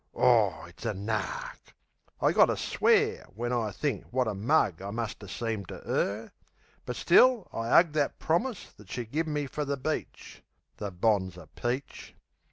Aw, it's a nark! I gotter swear when I think wot a mug I must 'a' seemed to 'er. But still I 'ug That promise that she give me fer the beach. The bonzer peach!